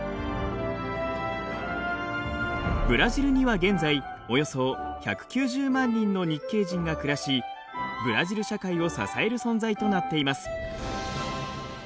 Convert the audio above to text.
ブラジルには現在およそ１９０万人の日系人が暮らしブラジル社会を支える存在となっています。